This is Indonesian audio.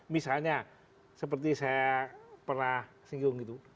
misalnya seperti saya pernah singgung gitu